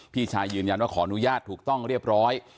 พี่ชายยืนยันว่าขออนุญาตถูกต้องเรียบร้อย